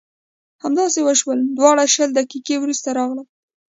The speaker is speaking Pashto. همداسې وشول دواړه شل دقیقې وروسته راغلل.